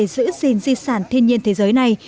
giữ gìn di sản thiên nhiên thế giới này